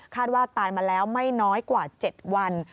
ว่าตายมาแล้วไม่น้อยกว่า๗วัน